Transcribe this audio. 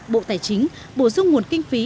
bộ tài chính bổ sung nguồn kinh phí